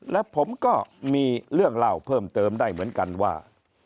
และผมก็มีเรื่องเล่าเพิ่มเติมได้เหมือนกันว่า